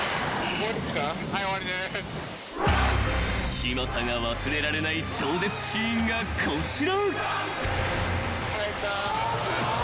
［嶋佐が忘れられない超絶シーンがこちら］